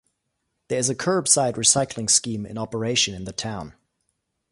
There is a kerbside recycling scheme in operation in the town.